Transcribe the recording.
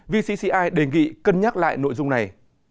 vcci đề nghị cân nhắc lại nội dung này